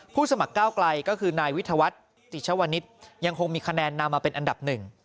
สมัครก้าวไกลก็คือนายวิทยาวัฒน์ติชวนิษฐ์ยังคงมีคะแนนนำมาเป็นอันดับหนึ่ง